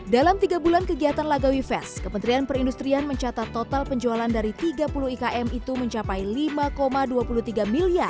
dalam tiga bulan kegiatan lagawi fes kementerian perindustrian mencatat total penjualan dari tiga puluh ikm itu mencapai rp lima dua puluh tiga miliar